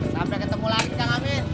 sampai ketemu lagi kang amin